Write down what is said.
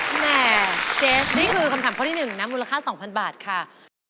แหม่เจฟนี่คือคำถามข้อที่๑นะมูลค่า๒๐๐๐บาทค่ะ